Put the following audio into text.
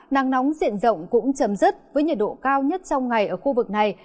nắng nóng diện rộng cũng chấm dứt với nhiệt độ cao nhất trong ngày ở khu vực này